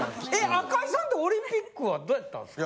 赤井さんってオリンピックはどうやったんですか？